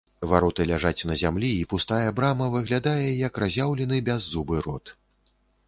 Вароты ляжаць на зямлі, і пустая брама выглядае, як разяўлены бяззубы рот.